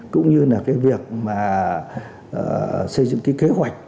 cũng như là cái việc mà xây dựng cái kế hoạch